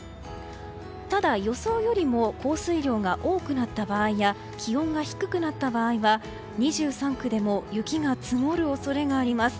ただ、予想よりも降水量が多くなった場合や気温が低くなった場合は２３区でも雪が積もる恐れがあります。